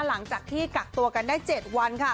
หลังจากที่กักตัวกันได้๗วันค่ะ